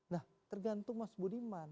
nah tergantung mas budiman